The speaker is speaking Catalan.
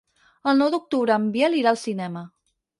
El nou d'octubre en Biel irà al cinema.